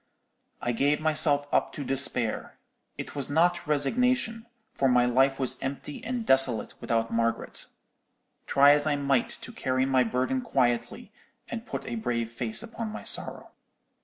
"I gave myself up to despair; it was not resignation, for my life was empty and desolate without Margaret; try as I might to carry my burden quietly, and put a brave face upon my sorrow.